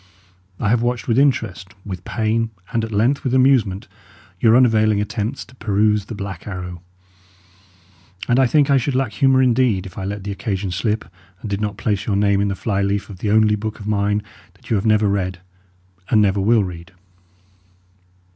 I have watched with interest, with pain, and at length with amusement, your unavailing attempts to peruse The Black Arrow; and I think I should lack humour indeed, if I let the occasion slip and did not place your name in the fly leaf of the only book of mine that you have never read and never will read.